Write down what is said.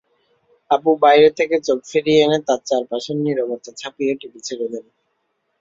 আবু বাইরে থেকে চোখ ফিরিয়ে এনে তাঁর চারপাশের নীরবতা ছাপিয়ে টিভি ছেড়ে দেন।